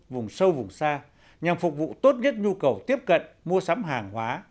vùng sâu vùng xa nhằm phục vụ tốt nhất nhu cầu tiếp cận mua sắm hàng hóa